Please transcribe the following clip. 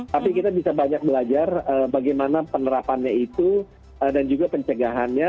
tapi kita bisa banyak belajar bagaimana penerapannya itu dan juga pencegahannya